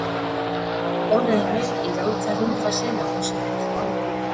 Hona hemen iraultzaren fase nagusiak.